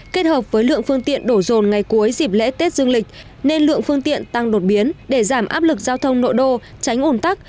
kết hợp với lượng phương tiện đổ rồn ngày cuối dịp lễ tết dương lịch nên lượng phương tiện tăng đột biến để giảm áp lực giao thông nội đô tránh ồn tắc